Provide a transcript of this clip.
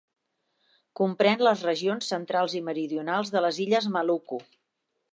Comprèn les regions centrals i meridionals de les illes Maluku.